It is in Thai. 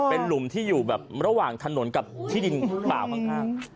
เป็นหลุมที่อยู่แบบระหว่างถนนกับที่ดินเปล่าข้าง